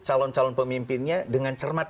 calon calon pemimpinnya dengan cermat